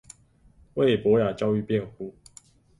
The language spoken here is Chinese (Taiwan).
為博雅教育辯護